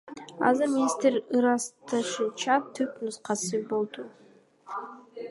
Азыр министрдин ырасташынча, түп нускасы жок.